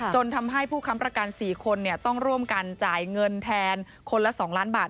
จนทำให้ผู้ค้ำประกัน๔คนต้องร่วมกันจ่ายเงินแทนคนละ๒ล้านบาท